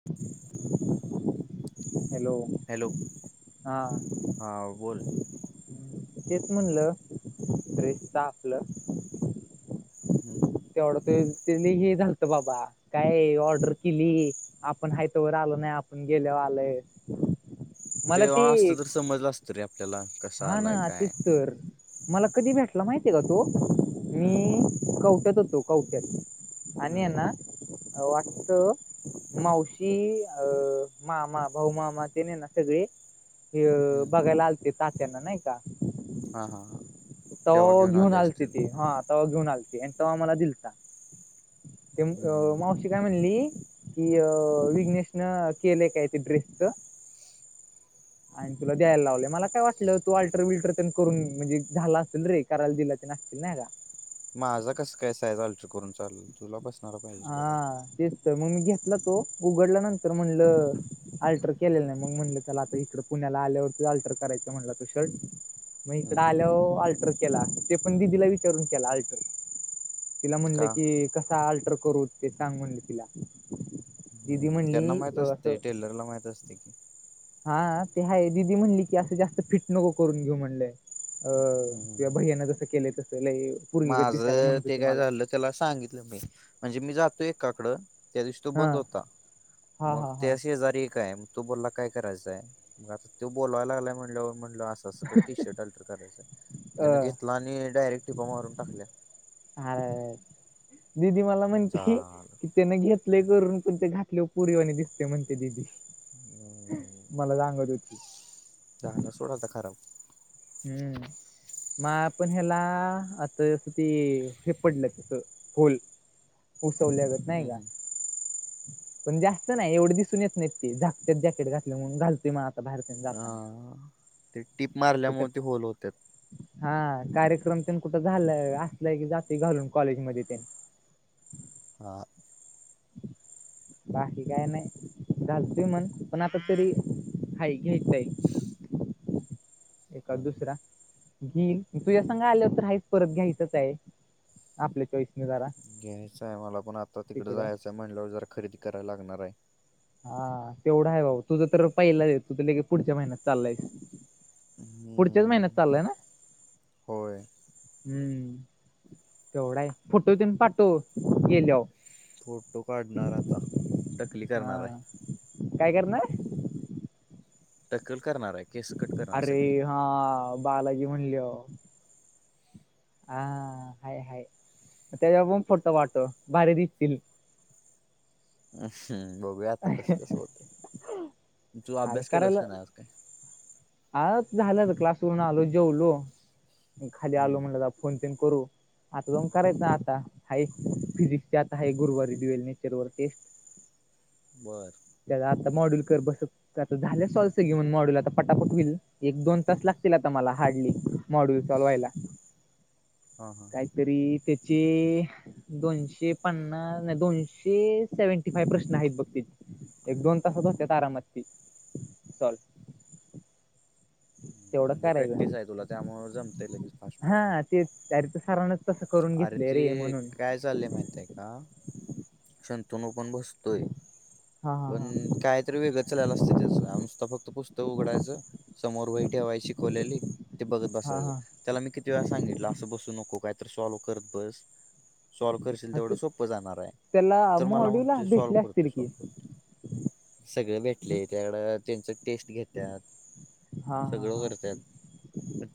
हवा hello hello... हा हा बोल, तेच म्हणलं ब्रेता आपलं. हं... हं तेवढं ते-ते निघी झालतं बाबा, काय ऑर्डर केली. आपण हाय तवर आलो नाय, आपण गेलयावर आलयं. तेव्हा असतं तर समजलं असतं रे आपल्याला. कसा हा आलाय ना काय तेच तर, मला कधी भेटला माहितीय का तो, हं... मी कवट्यात होतो कवट्यात आणि हम्म येना वाटत- मावशी अं मामा भाऊमामा तेनिहेना सगळे- ते हम्म बघायला आलते तात्यांना नाही का? हा हा हा तेव्हा तवा घेऊन आले आलते असतील ते हां, घेऊन आलते आणि तवा मला दिलता, ते हम्म मावशी काय- म्हणली की विघ्नेशनं केलं काय ते ड्रेसच आणि तुला द्यायला लावले मला काय वाटलं तू अल्टर विल्टर प करून म्हणजे झाला असेल रे कराला दिला ते नागशील नाही का माझं कस कायं अल्टर करून चालल तुला बसणारा पाहिजे हा त्याला तेच तर मग मी घेतला तो उघडला नंतर म्हणलं अल्टर केलेलं नाही मग म्हणलं त्याला आता इकडं पुण्याला आल्यावरती अल्टर करायचं म्हटलं तो शर्ट मग हम्म इकड हम्म. आलं अल्टर केला ते पण दिदीला विचारून केला अल्टर तिला म्हणले का कसा अल्टर करू ते सांग म्हणले तिला दिदी हम्म त्यांना म्हणली माहित अं असते असं टेलरला माहित असते कि हा ते ह दिीदी म्हणली की असं जास्त फिट नको करून घेऊ म्हणलंय अ हम्म किंवा भहियाना जसं केलं तसं ल माझ ते काय झालं त्याला सांगितलं मी म्हणजे मी जातो एकाकड त्या दिवशी तो हा बंद होता हा मग हा तेे आजारी काय तू बोला काय करायचांय मग आता त बोलाय लागलाय म्हणल म्हटल तसंं टी शर्ट अल्टर करायचं त्यान हा घेतला आणि डायरेक्ट टिपा मारून टाकल्या अरे दिदी मला म्हणती झालं तेन घेतले करून पण ते घातल्यावर पोरी वाशिम दिसते म्हणते दिदी हम्म मला सांगत होची झाला सोडा खराब हम्म मा पण ह्याला आता ज ते हे पडलं तस होल होसवल्याग नाही हम्म का हम्म. पण जास्त नाही एवढं दिसून येत नाहीत ते झाकते जॅकेट घातलं म्हणून घालतो ते आता बाहेर तेन अ जाताना ते टीप मारल्यामुळे कुठं ते होल होत्यात हा कार्यक्रम त्यां कुठं झाला असलय की जात घालून कॉलेजमध्येध्ये त्यां ह बाकी काय नाही घालतोय मण पण आता तरी हाई घ्यायच आहे ए हम्म हम्म. दुसरा घईल तुझ्या सांगा आलं तर रााच परत घ्यायचंच आहे आपल्या चॉईसने जरा घ्यायचं आहे मला पण आता तिकडं जायचंय म्हणलंवर जरा खरेदी करायला लागणार आहे हा तेवढा आहे बाऊ तुझं तर पहिला दे तुझं लेे पुढच्या महिन्यात चाललायस पुढच्याच महिन्यात हम्म चाललंय ना होय हम्म तेवढा आहे फोटो देना पाठवून गेल्यावर फोटो काढणार आता टकली करणार हा आहे काय करणार टक्कल करणार आहे केस कट करणार आहे सगळे अरे हा बालाजी म्हणली हो हा हाय हाय त्याच्यावर पण फोटो पाठव भारी दिसतील हम् असं बघू या आता कस कस होते अरे करायला आ झालं तर क्लासवरून आलो जेवलो म खाली आलो हम्म म्हणलं फोन पन करू आता पण करायचं ना आता हा फिजिक्सचे आता आहे गुरुवारी दिवेल नेचरवर टेस्ट बरं त्या आता मॉडल कर बसतो तर आता झालं सॉलस घेऊन मॉड्यूल आता फटाफट होईल एक दोन तास लागतील आता मला हार्डली मॉड्यूल चालू व्हायला हा हा काहीतरी त्याचे दोनशे पन्नास नाही दोनशे सेव्हनटी फाईव्ह प्रश्न आहेत बघ ते एक दोन तासच असते आारामती चल तेवढं म्हणजे करायचं प्रॅक्टिस आहे तुला त्यामुळे जमतेय लगेच फास्ट हा फास्ट ते चारित्र सरांन अरे ते काय चाललेय माहित आहे का संतून पण बसतोय हा पण हा हा काय तरी वेगंचलला असते त्याच नुसता फक्त पुस्तक उघडायचं समोर वई ठेवाय शिकवलेली ते बघत हा बसायचं हा त्याला मी किती वेळा सांगितलं असं बसू नको काहीतरी सॉल्व करत बस सॉल्व करशील हा ते तेवढं सोपं जाणार आहे त्याला तर मला मॉड्यूला म्हणतोय सॉल्व भेटले करते असतील की सॉल्व करते सगळं भेटले त्याकडं त्यांच टेस्ट घेतात हा हा सगळं हा करतात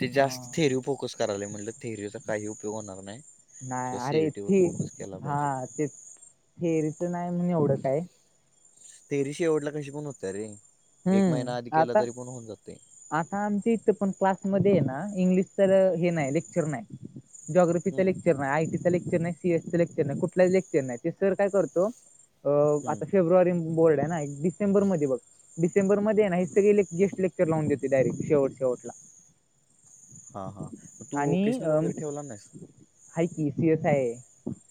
ते जास्त हा थेरी फोकस करायला म्हटलं थेरीूचा काही उपयोग होणार नाही नाही तो सीईटी वर अरेथे फोकस केला हा पाहिजे ते फेरी तर नाही म्हण एवढं काय तेरीशी एवडला कशी पण होत रे एक महिना आधी हम्म केला आता तरी पण होऊन जातं आता आमच्या इथं पण क्लासमध्येध्ये आहे ना इंग्लिश तर हे नाही लेक्चर नाही जॉग्राफीचा हम्म लेक्चर नाही आयटी चा लेक्चर नाही सीएसी लेक्र नाही कुठलाच लेक्चर नाही ते सर काय करतो अ हम्म आता फेब्रुवारी बोर्ड आहे ना एक डिसेंबर मध्ये बघ. डिसेंबरमध्ये आहे ना हे सगळे ले गेस्ट लेक्चर लावून देत डायरेक् शेट शेवटला. हा हा मग तू आणि वोकेशनल अम, वगैरे ठेवला नाहीस? हाय की सी एस हाय,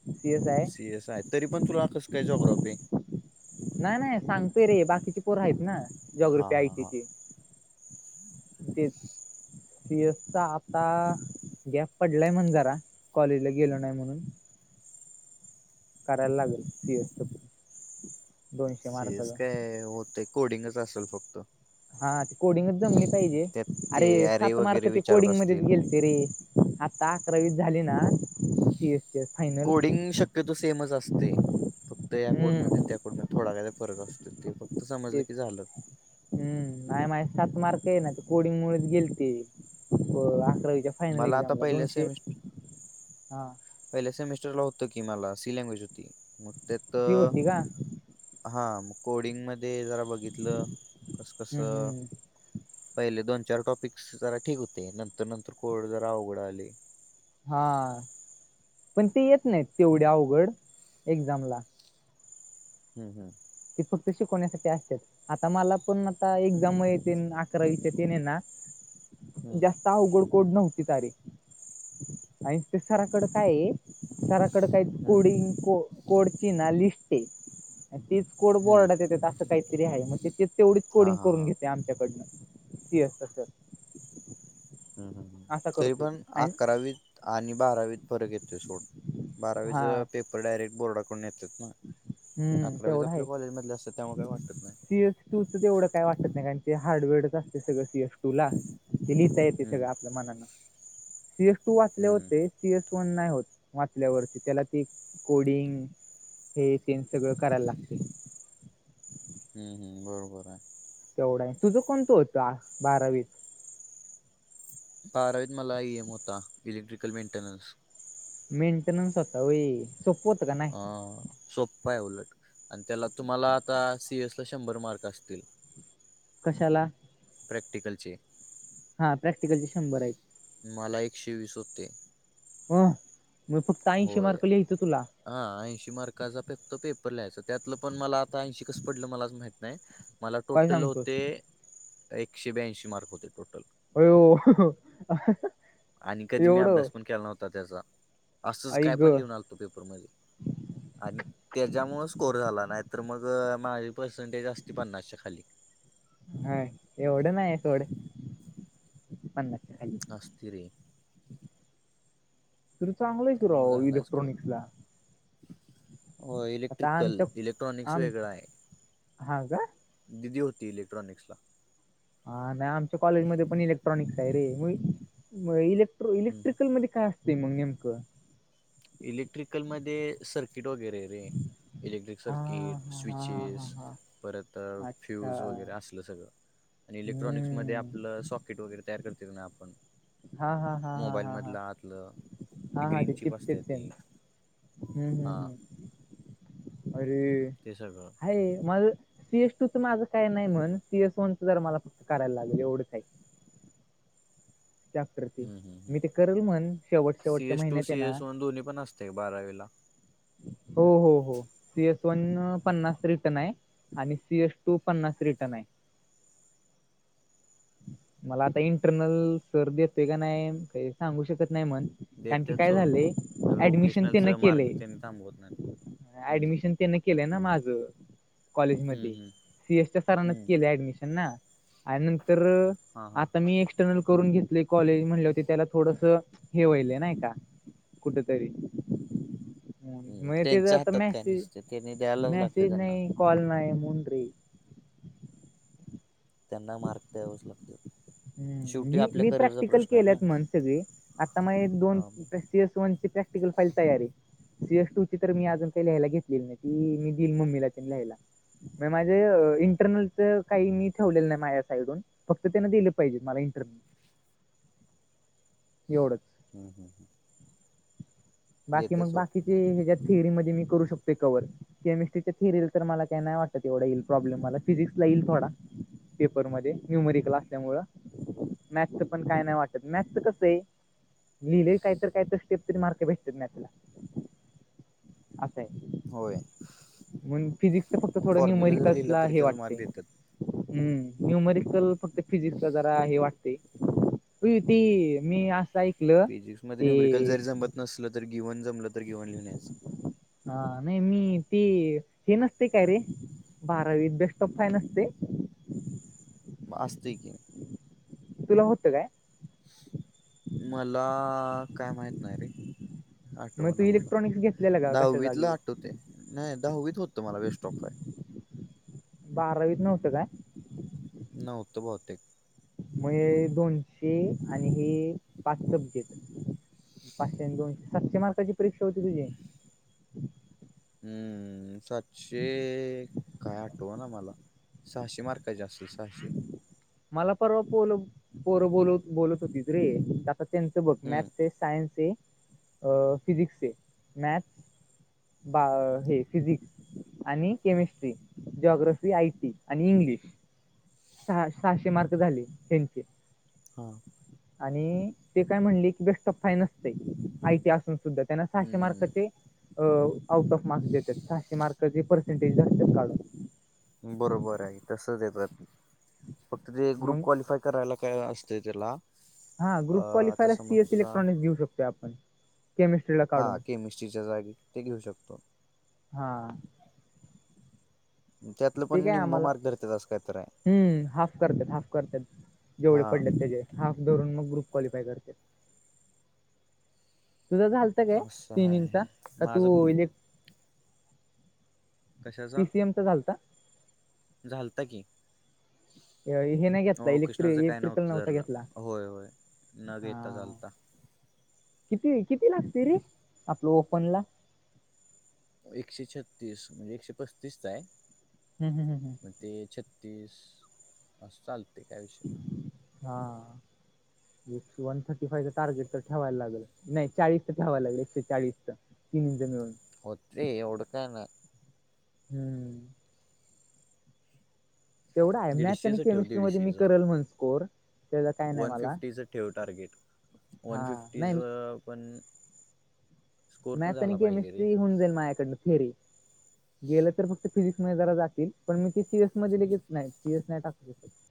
सी एस हाय. सी एस आहे तरी पण तुला कस काय जोग्राफी. नाही नाही सांगतोय रे बाकीचे पोर आहेत ना. हा जॉग्रफी हा हा. आयटीची तेच. सी एसचा आता. गॅप पडलाय म्हण जरा कॉलेजला गेलो नाही म्हणून. करायला लागेल सी एसचा. सीएस काय होत कोडिंगच असेल फक्त. हा कोडिंगच जमली पाहिजे त्यात ते अरे सात मार्क वगैरे ते विचारत कोडिंग मध्येच असतील गेलते रे. आता अकरावी झाली ना सीएसीस. कोडिंग शक्यतो सेमच असते फक्त या कोडमध्ये हम्म त्या कोडमध्ये. थोडा काय फरक असतो ते फक्त समजलं तेच की झालं. हम्म नाही माझे सात मार्क आहे ना कोडिंग मुळच गेलती अकरावीच्या. फायनल मला आता एक्झामला पहिल्या दोनशे सेमिस्टर हा. पहिल्या सेमिस्टरला होतं की मला सी लँग्वेज होती मग त्यात ती होती का हा मग कोडिंग मध्ये जरा बघितलं कस कस. हम्म हम्म पहिले दोन चार टॉपिकस जरा ठीक होते नंतर नंतर कोड जरा अवघडं आले. हा पण ते येत नाहीत तेवढ्या अवघड एक्झामला. हम् हम्. ते फक्त शिकवण्यासाठी असते. आता मला पण आता एक्झाम येत अकरावीच्या तेने ना. हम्म जास्त अवघड कोड नव्हती तारीे, आणि ते सराकडच आहे. सराकड काही हम्म कोडिंग कोडची ना लिस्ट आहे तीच कोड हम्म बोर्डात येतेत असं काहीतरी आहे म्हणजे ते तेवढीच हा कोडिंग हा करून हा घेते आमच्याकडनं. येत. हम् हम् तरी करतोय पण आणि अकरावीत आणि बारावीत फरक येतो सोड. हा बारावीचा पेपर डायरेक्ट बोर्डाकडून येतात ना. हम्म अकरावीस तेवढं आहे आपल्या कॉलेज मधले असतात त्यामुळे काही वाटत नाही. तूच तेवढं काय वाटत नाही कारण ते हार्डवेअरच असते सगळं सी एफ टू ला ते लिहिता येते हम्म सगळ. च्या मानानं, सीएस टू वाचले हम्म हम्म होते. सीएस वन नाही होत, वाचल्यावरती. त्याला ते कोडिंग हे, तेन सगळं करायला लागते. हम् हम्म, बरोबर आहे. तेवढं आहे, तुझं कोणतं होतं बारावीत? बारावीत मला ईएम होता, इलेक्ट्रिकल मेंटेनन्स. मेंटेनन्स होता, होय. सोपं होतं का नाही अं, सोप्पं आहे उलट आणि त्याला तुम्हाला आता, सीएस तर, शंभर मार्क असतील. कशाला? प्रॅक्टिकलचे हा, प्रॅक्टिकलचे शंभर आहेत. मला, एकशे-वीस होते. अं, मग फक्त ऐंशी होय मार्काच लिहायचं तुला. हा ऐंशी मार्काचा फक्त पेपर लिहायचा. त्यातलं पण, मला आता ऐंशी कसं पडलं? मलाच माहित नाही. मला काय टोटल सांगतोस होते, एकशे-ब्याऐंशी मार्क होते टोटल. आयो! हां.. हां.. हां.. हा. आणि कधी मी, अभ्यास पण केलां नव्हता त्याचा. असंच आई काय पण, ग लिहून आलतो पेपरमध्ये. आणि त्याच्यामुळं स्कोर झाला. नाही तर मग, माझी पर्सेंटेज असती पन्नासच्या खाली. हा, एवढं नाही सोड. पन्नास खाली असती रे! तरी, चांगलं आहे कि त्यामुळे राव झालाय स्कोर इलेक्ट्रॉनिक्सला. हो. आता इलेक्ट्रिकल, आमच्या इलेक्ट्रॉनिक्स आम वेगळा आहे. हा का दिदी, होती इलेक्ट्रॉनिक्सला. हा, नाही. आमच्या कॉलेजमध्ये पण इलेक्ट्रॉनिक्स आहे रे, मग इले हम्म. क्ट्रिकल मध्ये, काय असते मग नेमकं? इलेक्ट्रिकलमध्ये, सर्किट वगैरे आहे रे. इलेक्ट्रिक हा सर्किट, हा हा हा स्विचेस हा परत अच्छा फ्यूज वगैरे, असलं सगळं. आणि इलेक्ट्रॉनिक्स मध्ये हम्म आपलं, सॉकेट वगैरे तयार करतेत ना आपण. हा हा हा हा मोबाईल हा हा मधला आतलं, ते हा हा ग्रीन चिप चिपसेट असते ती तेन, हम्म्.. हम्म्.. हां हम्. अरे! ते सगळं. आहे. माझं सीएस टू चं माझं काय नाही म्हण, सीएस वन चं जरा मला फक्त करायला लागलं. एवढंच आहे. चॅप्टर ते हम्.. हम्.. हम्. मी ते करल म्हण शेवट शेवटच्या सीएस-टू, महिन्यात आहे ना सीएस-वन दोन्ही पण असतंय का बारावीला. हो.. हो.. हो. सीएस वनं, पन्नासचं रिटर्न आहे. आणि सीएस टू, पन्नास रिटर्न आहे. मला आता इंटरनल सर दतोय का नाही, काही सांगू शकत नाही म्हण. कारण की देतात काय सोड झालंय, ऍडमिशन त्यानं ओकेशनलचं मार्क केलंय. त्यांनी थांबवत नाही हम्म, ऍडमिशन त्यांन केलंय ना माझं, कॉलेज हम्म, मध्ये. हम्म. सीएसच्या सरांनं हम्म, केलंय, ऍडमिशन ना. आणि नंतर, हां हां आता मी एक्स टर्नल करून घेतले, कॉलेज म्हणल्यावर ते-त्याला थोडस हे व्हायलं नाही का? कुठं तरी? हम्म, मग त्याचा त्यांच्या आता हातात काय मेसेज, नसते त्यांनी द्यायलाच लागते मेसेज त्यांना नाही-कॉल नाही म्हणून रे. त्यांना, मार्क द्यावंच लागतातं. हंम्म्. मी, मी प्रॅक्टिकल ना केलेत म्हण सगळी. आता मग हे दोन हा मग सीएस वन ची, प्रॅक्टिकल फाईल तयार आहे. सीएस टू ची तर मी अजून काही लिहायला घेतलेली नाही, ती मी देईन मम्मीला तेन लिहायला. म-माझे इंटरनलचं काही मी ठेवलेलं नाही, माझ्या साईडवून. फक्त त्यानं दिलं पाहिजे मला इंरव्य एवढंच हम् हम् हम बाकी मग बाकीचे ह्याच्या थिअरीमध्येध्ये मी करू शकतेो क्हवर केमिस्ट्रीच्या थिअरील तर मला काय नाही वाटतं तेवढा येईल प्रॉब्लेम मला फिजिकस लाईल थोडा पेपरमध्येध्ये न्यूमरी क्ला असल्यामुळं मॅथच पण काय नाही वाटत मॅथचं कसं आहे लिहिलेल काहीत काहीत स्टेप तरी मार्के भेटतात ना त्याला असय. होय मंग फिजिक्सच फक्त थोड फॉर्म्युला जरी लिहिला नूमरिकसला तरी हे त्याचा वाटतय. मार्क देतात हम्म, न्युमरिकल फक्त फिजिक्सला जरा हे वाटतय. हो ती मी असा एक पीजिक्स मध्ये न्यूमरीकल जरी जमत नसलं, तर गेवन जमलं तर गेवन लिहून यायचं. हा नही मी ते, हे नसते काय रे बारावीत बेस्ट ऑफ फाय नसते? असतय की. तुला होतं काय? मलाआ काय माहित नाही रे. मग आठव तू ना मला, इलेक्ट्रॉनिक्स घेतलेलं का कशा जागी दहावीतला आठवतय, नही दहावीत होत मला बेस्ट ऑफ फाय. बारावीत नव्हतं काय? [inaudible] नवत बहुतेक. म हे दोनशे आणि हे पाच चमचे. पाचशे नं दोनशे, सातशे मार्काची परीक्षा होती तुझी. हम्म, सातशे काय आठवा ना मला. सहाशे मार्काची असल, सहाशे. मला परवा पोल-पोरं बोलत-बोलत होती रे. त्यांच बघ हम्म मॅथस ये, सायन्स ये अ फिजिक्स ये, मॅथ्स बा अ हे फिजिक्स. आणि केमिस्ट्री, जॉग्रफी, आयटी आणि इंग्लिश. सहा सहाशे मार्क झाले त्यांचे. हा. आणि ते काय म्हणले, की बेस्ट ऑफ फाय नसते आयटी असून सुद्धा, त्यांना सहाशे हम्म मार्कचे आऊट ऑफ मार्क्स देतात, सहाशे मार्क तर ते पर्सेंटेज धरत्यात अजून. बरोबर आहे, तसच येत फक्त ते मग ग्रुप क्वालिफाय करायला काय असतय, त्याला? हा अ ग्रुप आता क्वालफायला समज सीएस तुझा इलेक्ट्रॉनिक् देऊ शकतो आपण. केमिस्ट्रीिला हा केमिस्ट्रीच्या जागी, ते घेऊ शकतो. हा. त्यातलं ते पण काय निम्म आम्हाला, मार्क धरतात असं काय तर आहे हम्म हाफ करत्यात, हाफ करत्यात जेवढे हा पडलेत त्याचेे हाफ धरून, मग ग्रुप क्वालिफाय करत्या, तुझ झा [unintelligible] असं तीनिचा आहे का? तू माझा ग्रुप इ कशाचा पीसीएम चा झालता? झालता की. अ, हे नाही घेतला हो इलेक्ट्रि कृष्णाचं काय इलेक्ट्रिकल नवतं नव्हता धरलं, घेतला होय-होय. न घेता हा चालता. किती? किती लागते रे, आपलं ओपन ला? एकशे छत्तीस, म्हणजे एकशे पस्तीस हाय. हम् हम हम. ते छत्तीस अस चालतय, काय विषय नाही. हा वन थर्टी फायच टार्गेट तर ठेवायला लागल, नाही? चाळीसचा ठ्यावा लागलं एकशे चाळीसच तीन जण व्हय. ते यएवढं काय नाय. हम्म. तेवढा आहे मॅथ्स आणि दीडशेचं ठेव केमिस्ट्री मध्ये मी दीडशेचं करेल म्हण स्कोर त्याला काय नाही वन मला फिफ्टीच ठेव टार्गेट वन हा नाही फिफ्टीचा पण स्कोर पण मॅत्स आणि झाला पाहिजे रे केमिस्ट्री हऊन जाईल मायाकडन थेयरी. गेलं तर फक्त फिजिक्स मध्ये जरा जातील पण मी ते सी एस मध्ये लेगच नाही सी एस नाही टाकू शकतो.